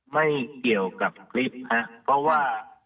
ไม่เกี่ยวกับคลิปครับเพราะว่า